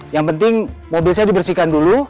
yang penting mobil saya dibersihkan dulu